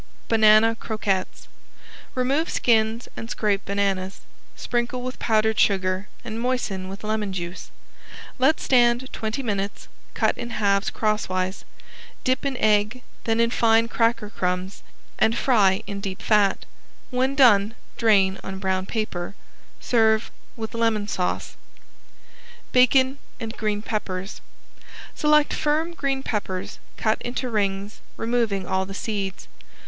~BANANA CROQUETTES~ Remove skins and scrape bananas. Sprinkle with powdered sugar and moisten with lemon juice. Let stand twenty minutes; cut in halves crosswise. Dip in egg, then in fine cracker crumbs and fry in deep fat. When done drain on brown paper. Serve with lemon sauce. ~BACON AND GREEN PEPPERS~ Select firm green peppers, cut into rings, removing all the seeds.